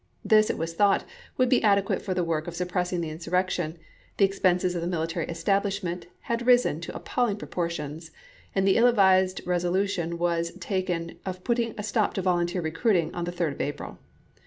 This, it was thought, would be adequate for the work of suppressing the insurrection; the expenses of the military establishment had risen to appalling pro portions, and the ill advised resolution was taken of putting a stop to volunteer recruiting on the 3d 1862. of April.